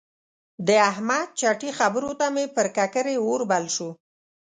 د احمد چټي خبرو ته مې پر ککرۍ اور بل شو.